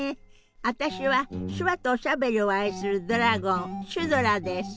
私は手話とおしゃべりを愛するドラゴンシュドラです。